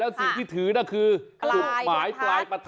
แล้วสิ่งที่ถือนั่นคือหมายปรากฏ